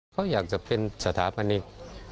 เขาอยากจะเป็นสถาพนิก